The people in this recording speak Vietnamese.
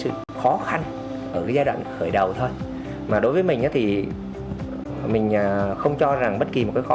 sự khó khăn ở cái giai đoạn khởi đầu thôi mà đối với mình thì mình không cho rằng bất kỳ một cái khó